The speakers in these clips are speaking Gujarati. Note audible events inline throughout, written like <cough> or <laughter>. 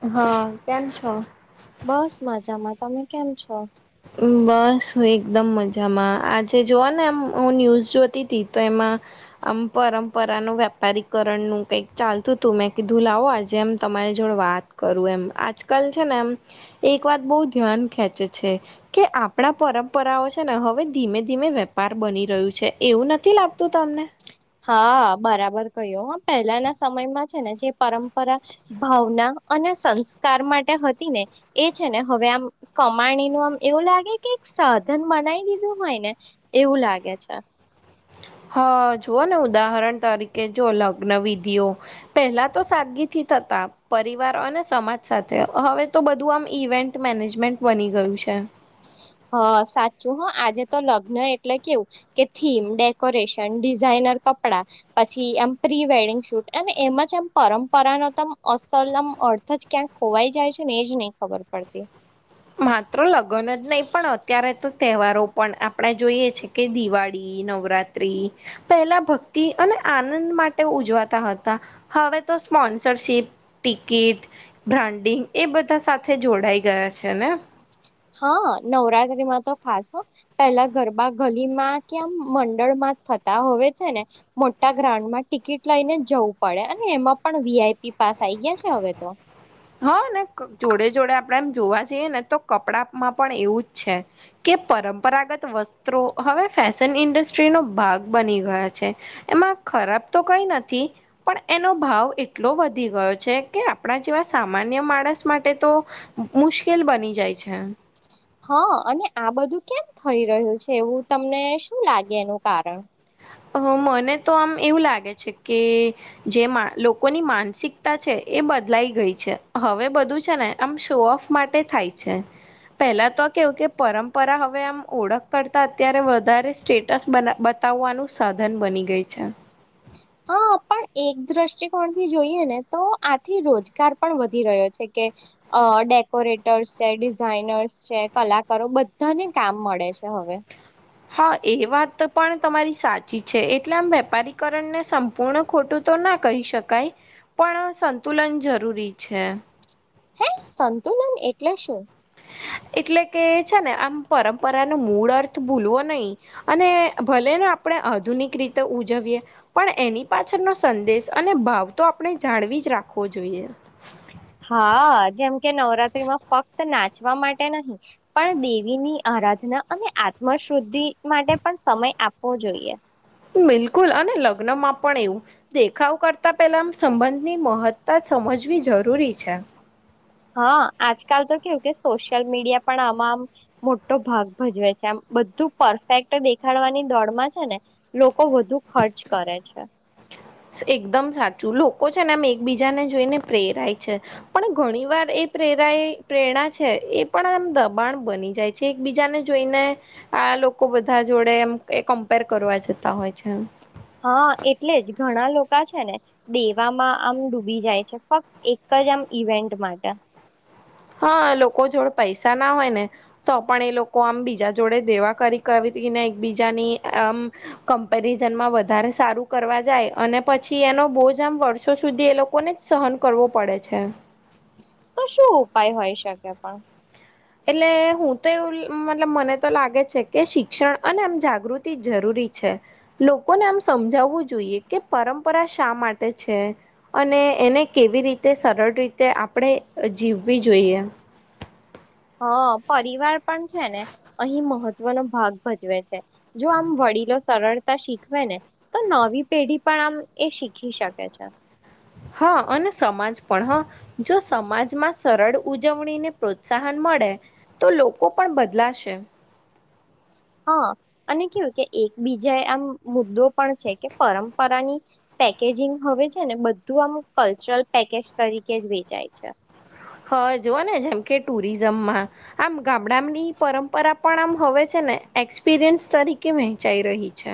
હ હા કેમ છો? બસ મજામાં તમે કેમ છો? બસ એકદમ મજામાં આજે જોવા ને એમ હું ન્યુઝ જોતી હતી તો એમાં આમ પરંપરા નું વેપારીકરણ નું કઈક ચાલતું હતું મેં કીધું લાવો આજેમ તમારી જોડ વાત કરું એમ આજકાલ છે ને એમ એક વાત બહ ધ્યાન ખેંચે છે. કે આપણા પરંપરાઓ છે ને હવે ધીમે ધીમે વેપાર બની રહ્યું છે એવું નથી લાગતું તમને ને? હા બરાબર કયો હ પહેલાના સમયમાં છે ને જે પરંપરા ભાવના અને સંસ્કાર માટે હતી ને એ છે ને હવે આમ કમાણી નું આમ એવું લાગે કે સાધન બનાવી દીધું હોય ને એવું લાગે છે. હા જુઓ ને ઉદાહરણ તરીકે જો લગ્ન વિધિઓ પેલા તો સાદગીથી થતા પરિવાર અને સમાજ સાથે હવે તો બધું આમ ઇવેન્ટ મેનેજમેન્ટ બની ગયું છે. છે હ સાચું હ આજે તો લગ્ન એટલે કેવું કે થીમ ડેકોરેશન ડિઝઇન પછી એ પ્રી વેડિંગ શૂટ અને એમાં જ એમ પરંપરા નમ અસલ અર્થ જ ક્યાંક ખોવાઈ જાય છે ને એ જ નહી ખબર પડતી માત્ર લગ્ન જ નહીં પણ અત્યારે તો તહેવારો પણ આપણે જોઈએ છે કે દિવાળી નવરાત્રી પહેલા ભક્તિ અને આનંદ માટે ઉજવાતા હતા હવે તો સ્પોન્સરશીપ ટિકિટ ન્ડિ એ બધા સાથે જોડાઈ ગયા છે ને? હા નવરાત્રીમાં તો ખાસ પેલા ગરબા ગલીમાં કે આમ મંડળમાં થતા હો છે ને મોટા ગ્રાઉન્ડમાં ટિકિટ લઈને જવું પડે અને એમાં પણ વીઆઈપી પાસ આઈ ગયા છે હવે તો. હા ને જોડે જોડે આપણેે એમ જોવા જઈએ ને તો કપડામાં પણ એવું જ છે કે પરંપરાગત વસ્ત્રો હવે ફેશન ઇન્ડસ્ટ્રીનોો ભાગ બની ગયા છે એમાં ખરાબ તો કઈ નથી પણ એનો ભાવ એટલો વધી ગયો છે કે આપણા જેવા સામાન્ય માણસ માટે તો મુશ્કેલ બની જાય છે. હા અને આ બધું કેમ થઈ રહ્યું છે એવું તમને શું લાગે એનું કારણ મને તો આમ એવું લાગે છે કે જેમાં લોકોની માનસિકતા છે એ બદલાઈ ગઈ છે હવે બધું છે ને આમ શો ઓફ માટે થાય છે પહેલા તો કેવું કે પરંપરા હવે આમ ઓળખ કરતા અત્યારે વધારે સ્ટેટસ બતાવવાનું સાધન બની ગઈ છે. હા પણ એક દ્રષ્ટિકોણથી જોઈએ ને તો આથી રોજગાર પણ વધી રહ્યો છે. ડેકોરેટર્સ છે ડિઝાઇનર્સ છે કલાકારો બધાને કામ મળે છે હવે હા એ વાત પણ તમારી સાચી છે એટલે આમ વેપારીકરણને સંપૂર્ણ ખોટું તો ના કહી શકાય પણ સંતુલન જરૂરી છે હે સંતુલન એટલ શું? હ એટલે કે છે ને આમ પરંપરા ન મૂળ અર્થ ભૂલવો નહીિ અને ભલે ને આપ આધુનિક રીતે ઉજવીએ પણ એની પાછળનો સંદેશ અને ભાવ તો આપણે જાણવી જ રાખવો જોઈએ. હા જેમ કે નવરાત્રીમાં ફક્ત ના માટે નહી પણ દેવીની આરાધના અને આત્મ શુદ્ધિ માટે પણ સમય આપવો જોઈએ. બિલકુલ અને લગ્નમાં પણ એવું, દેખાવ કરતા પેલા સંબંધની મહત્તા જ સમજવી જરૂરી છે. હા આજકાલ તો કેવું કે સોશિયલ મીડિયા પણ આમાં આમ મોટો ભાગ ભજવે છે આમ. બધું પરફેક્ટ દેખાડવાની દોડમાં છે ને, લોકો વધુ ખર્ચ કરે છે. એકદમ સાચું લોકો છે ને આમ એકબીજાને જોઈને પ્રેરાય છે, પણ ઘણી વાર એ પ્રેરા પ્રેરણા છે એ પણમ દબાણ બની જાય છે એક બીજાને જોઈને. આ લોકો બધા જોડે એમ એ કમ્પેર કરવા જતા હોય છે એમ. હા એટલે જ ઘણા લોકો છે ને, દેવામાં આમ ડૂબી જાય છે ફક્ત એક જમ ઇવેન્ટ માટે. હા લોકો જોડે પૈસા ના હોય ને, તો પણ એ લોકો આમ બીજા જોડે દેવા કરી કર <unintelligible> જાેમાં વધારે સારું કરવા જાય અને પછી બહુ જ આમ વર્ષો સુધી એ લોકોને જ સહન કરવો પડે છે. તો શું ઉપાય હોય શકે પણ? એટલે હું તો એવું મતલબ મને તો લાગે છે કે શિક્ષણ અને આમ જાગૃતિ જરૂરી છે, લોકોને આમ સમજાવવું જોઈએ કે પરંપરા શા માટે છે, અને એને કેવી રીતે સરળ રીતે આપણે જીવવી જોઈએ. હ પરીવાર પણ છે ને, અહીં મહત્વનો ભાગ ભજવે છે જો આમ વડીલો સરળતા શીખવે. તો નવી પેઢી પણ આમ એ શીખી શકે છે. હા અને સમાજ પણ હા, જો સમાજમાં સરળ ઉજવણી ને પ્રોત્સાહન મળે. મળે, તો લોકો પણ બદલાશે. હા અને કેવું કે એકબીજા આમ મુદ્દો પણ છે કે પરંપરાની પેકેજિંગ હવે છે ને બધું આમુક કલ્ચરલ પેકેજ તરીકે જ વેચાય છે. હા જૂઓ ને જેમ કે ટુરિઝમમાં, આમ ગામડાની પરંપરા પણ આમ હવે છે એક્સપિરિયન્સ તરીકે વહેંચાઈ રહી છે.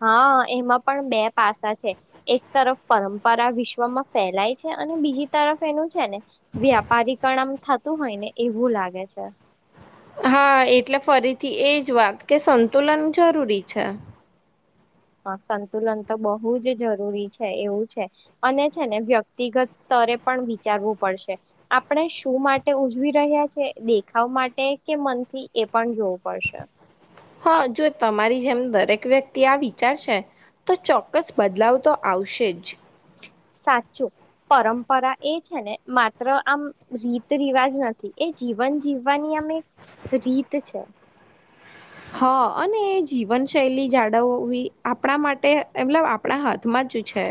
હા એમાં પણ બે પાસા છે, એક તરફ પરંપરા વિશ્વમાં ફેલાય છે. અને બીજી તરફ એનું છે ને, વ્યાપારીકરણ થતું હોય ને એવું લાગે છે. હા એટલે ફરીથી એજ વાત કે સંતુલન જરૂરી છે. હા સંતુલન તો બહુ જ જરૂરી છે એવું છે, અને છે ને વ્યક્તિગત સ્ત તરે પણ વિચારવું પડશે, આપણે શું માટે ઉજવી રહ્યા છે દેખાવ માટે કે મનથી એ પણ જોવું પડશે. હા જો તમારી જેમ દરેક વ્યક્તિ આ વિચારશે. તો ચોક્કસ બદલાવ તો આવશે જ. સાચું પરંપરા એ છે ને માત્ર આમ રીત રિવાજ નથી. એ જીવન જીવવાની આમ એક રીત છે. હા અને જીવન શૈલી જાડવવી આપડા માટે એમલબ આપણા હાથમાં માજ છે.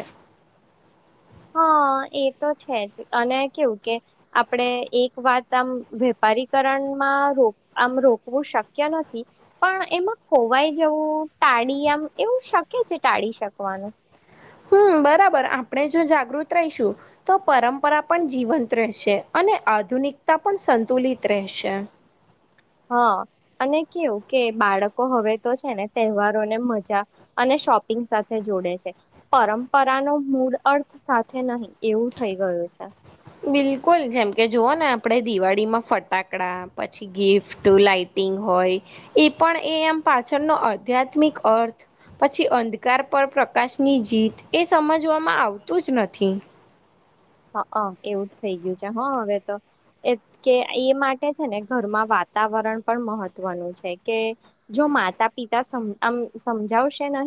<inaudible> હા એ તો છે જ અને કેવું કે, આપડે એક વાત આમ વેપારીકરણ એમાં રોક આમ રોકવું શક્ય નથી, પણ એમાં ખોવાઈ જવું ટાળી એવું શક્ય છે ટાળી શકવાનું. હમ્મ. બરાબર આપણે જો જાગૃત રહીશું, તો પરંપરા પણ જીવંત રહેશે અને આધૂ નિકતા પણ સંતુલિત રહેશે. હા, અને કેવું કે બાળકો હવે તો છે ને તહેવારો ને મજા, અને શોપિંગ સાથે જોડે છે, પરંપરા નો મૂળ અર્થ સાથે નહી એવું થઈ ગયું. છે. બિલકુલ જેમ કે જુઓ ને આપડે દિવાળીમાં ફટાકડા પછી ગિફ્ટ લાઇટિંગ. હોય, એ પણ એ એમ પાછળનો આધ્યાત્મિક અર્થ હો પછી, અંધકાર પર પ્રકાશની જીત, એ સમજવામાં આવતું જ નથી હ એવું જ થઈ ગયું છે, હા હવે તો એ કે એ માટે છે ને ઘરમાં વા વાતાવરણ પણ મહત્વનું છે, કે જો માતા પિતા આમ સમજાવશે ન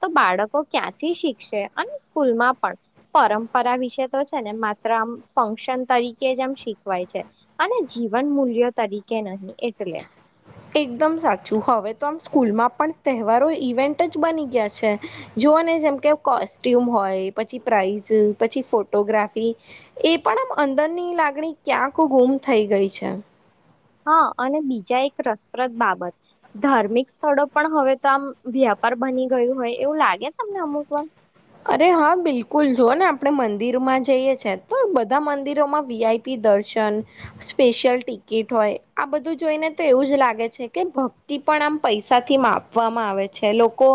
તો બાળકો ક્યાંથી, શીખશે અને સ્કૂલમાં પણ પરંપરા વિશે તો છેને, માત્ર આમ ફક્શન તરીકે જ આમ શીખવાય છે, અને જીવન મૂલ્યો તરીકે કે નહી, એટલે એકદમ સાચુ હવે, તો આમ સ્કૂલમાં પણ તહેવારો ઇવેન્ટ જ બની ગ્યા છે, જો આપણને જેમ, કે કોસ્ટ્યુમ હોય પછી, પ્રાઇઝ પછી ફોટોગ્રાફી એ પણ અંદરની લાગણી ક્યાંક ગુમ થઈ ગઈ છે. હા, અને, બીજા એક રસપ્રદ બાબત ધાર્મિક સ્થળો પણ હવે તો આમ વ્યાપ ર બની ગયું હોય, એવુ લાગે, તમને અમુક વાર. અરે હા, બિલકુલ જુઓ ને આપણે મંદિરમાં જઈએ છેએ, તો બધા મંદિરોમાં વી. આઈ. પી. દર્ શન સ્પેશિયલ ટિકિટ હોય, આ બધું જોઈને તો એવું જ લાગે છે કે ભક્તિ પણ પૈસા, થી માપવામાં આવે છે, લોકો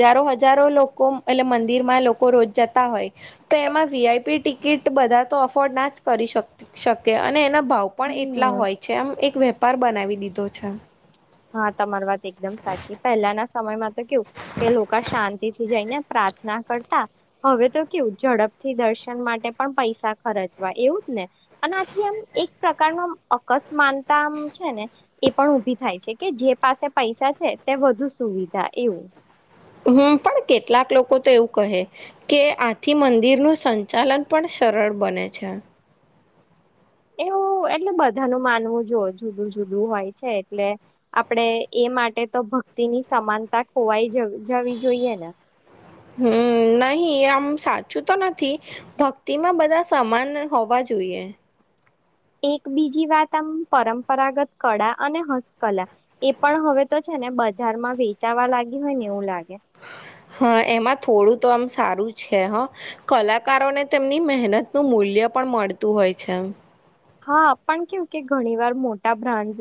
હજારો હજારો લોકો એટલે મન દિરમાં લોકો રોજ જતા હોય, તો એમાં વી. આઈ. પી. ટિકિટ બધા તો અફોર્ડ ના જ કરી શક શકે અને, એના ભાવ પણ એટલા હમ હોય છે. એમ એક વેપાર બનાવી દીધો છે. હા, તમારી વાત એકદમ સાચી, પહેલાના સ સમયમા તો કેઉ કે લોકા શાંતિથી જઈને પ્રાર્થના કરતા હવે, તો કેવું ઝડપ થી દર્શન માટે પણ પૈસા ખર્ચવા એવુંજ, ને અને આથી, એમ એક પ્રકાર નો બસ માનતામ છેને, એ પણ ઉભી થાય છે. કે જે પાસે પૈસા છે, તે વધુ સુવિધા એવુ હમ્મ, પણ કેટલાક લોકો તો એવું કહે કે આથી મંદિરનુ સંચાલન પણ સરળ બને છે. એવો એટલે, બધાનુ માનવુ, જો જુદું- જુદું હોય છે. એટલે આપડે એ માટે તો ભક્તિ ની સમાનતા, ખોવાઈ જવી જોઈએ ને હમ, નહી, આમ સાચું તો નથી ભક્તિમાં બધા સમાન હોવા, જો. જો, એ એક બીજી, વાત આમ પરંપરાગત કળા અને હસ્તકલા એ પણ હવે તો છે. ને બજારમા, વેચાવા લાગી હોય ને એવું લાગે. હા, એમાં થોડું તો આમ સારું છે, હ કલાકારોને તેમની મહેનતનું મૂલ્ય મૂલ્ય પણ મળતું હોય છે, એમ હા, પણ કેવું કે ઘણી વાર મોટા બ્રાન્ડ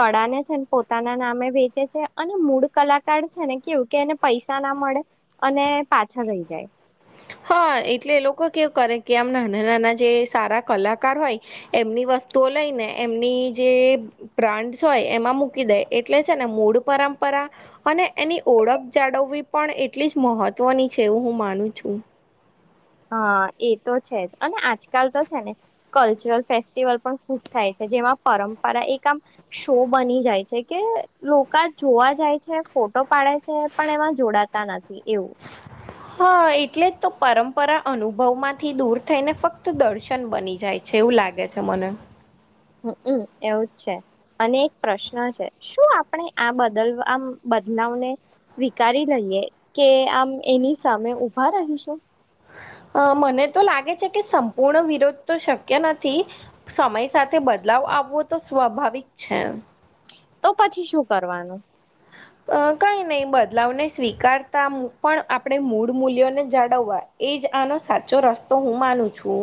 કળા ને છેને પોતાના નામે વેચે અને મૂળ કલાકાર છે ને કેવુ, કે એને પૈસા ના મળે અને પાછળ રહી જાય હા, એટલે એ લોકો કેવ કરે કે આમ નાના નાના જે સારા કલાકાર હોય એમની વ ધોવા લઈને એમની જે બ્રાન્ડ હોય એમાં મૂકી દે એટલે છેને, મૂળ પરંતુ પરંપરા, અને એની ઓળખ જાળવવી પણ એટલી જ મહત્વની છે, એવું હું માનું છું. હા, એ તો છે, જ અને આજકાલ તો છેને, કલ્ચરલ ફેસ્ટિવલ પણ ખુબ થાય છે. જેમાં પરંપરા, એક આમ શો બની જાય છે, કે લોકો જોવા જાય છે. ફોટો પાડે છે, પણ એમાં જોડાતા નથી એવું. હા, એટલે જ તો પરંપરા અનુભવ માંથી દૂર થઈને ફક્ત દર્શન બની જાય છે, એવું લાગે છે, મને હમ, એવુંજ છે, અને એક પ્રશ્ન છે, શું આપણે આ બદલવા બદલાવને સ્વીકારી, લઈએ કે આમ એની સામે ઉભા રહીશું. અ મને તો લાગે છે, કે સંપૂર્ણ વિરોધ તો શક કે નથી સમય સાથે બદલાવ આવવો તો સ્વાભાવિક છે. તો પછી, શું કરવાનું અ કઈ નહી, બદલાવને સ્વીકારતા પણ આપણે મૂળ મૂલ્યોને જાળવવાય. એ જ, આનો સાચો રસ્તો હું માનું છું.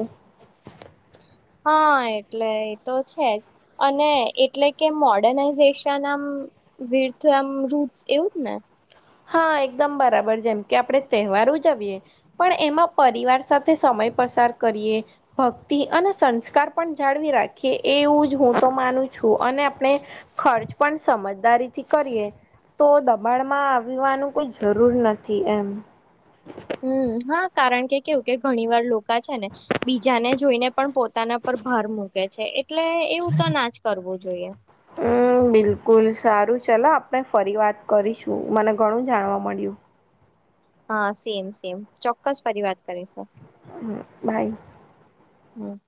હા એટલે એ તો છે જ અને એટલે કે મોડર્નાઈઝેશનમ વીર તો એમ રૂટ એવું જ ને હા એકદમ બરાબર જેમ કે આપણે તહેવાર ઉજવીએ પણ એમાં પરિવાર સાથે સમય પસાર કરીયે ભક્તિ અને સંસ્કાર પણ જાળવી રાખીએ એવું જ હું તો માનું છું. અને આપણે ખર્ચ પણ સમજદારીથી કરીએ તો દબાણમાં આવવાનું કોઈ જરૂર નથી, એમ હમ હા કારણ કે કેવું કે ઘણી વાર લોકો છે ને બીજાને જોઈને પણ પોતાના ભર મૂકે છે, એટલે એવું તો ના જ કરવું જોઈએ. હમ બિલકુલ સારું ચલો આપણે ફરી વાત કરીશું મને ઘણું જાણવા મળ્યું. હા સેમ સેમ ચોક્કસ ફરી વાત કરી છે. હ બાય <inaudible> હું